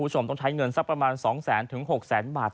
คุณผู้ชมต้องใช้เงินสักประมาณ๒๐๐๖๐๐บาท